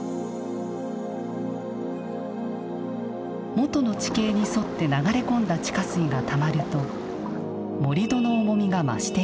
元の地形に沿って流れ込んだ地下水がたまると盛土の重みが増していきます。